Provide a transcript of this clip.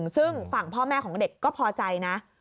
ซึ่งฝั่งพ่อแม่ของเด็กก็พอใจนะ